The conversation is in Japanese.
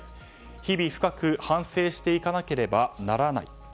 日々深く反省していかなければならない。